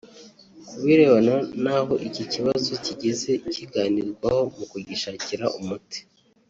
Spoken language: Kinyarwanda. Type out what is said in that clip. Ku birebana n’aho iki kibazo kigeze kiganirwaho mu kugishakira umuti